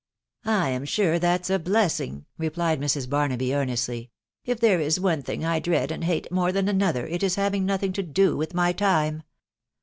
€€ I am sure that's a blessing/' replied Mrs. Barnaby earnestly. " If there is one thing I dread and hate more than another, it is haying nothing to do with my time.